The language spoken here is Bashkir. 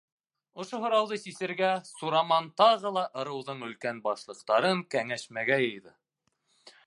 Ошо һорауҙы сисергә Сураман тағы ла ырыуҙың Өлкән Башлыҡтарын кәңәшмәгә йыйҙы.